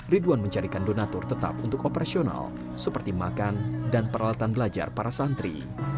ridwan mencarikan donatur tetap untuk operasional seperti makan dan peralatan belajar para santri